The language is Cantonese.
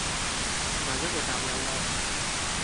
下一個站有落